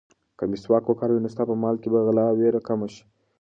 که مسواک وکاروې، نو ستا په مال کې به د غلا وېره کمه شي.